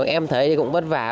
em thấy cũng vất vả